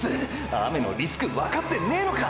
雨のリスクわかってねぇのか！！